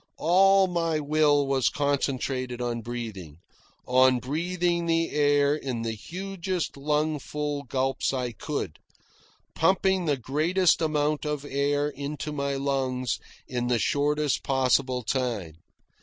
All my will was concentrated on breathing on breathing the air in the hugest lung full gulps I could, pumping the greatest amount of air into my lungs in the shortest possible time.